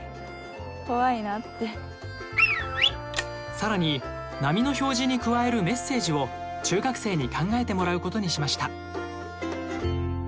更に波の表示に加えるメッセージを中学生に考えてもらうことにしました。